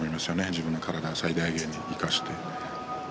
自分の体を最大限に生かして。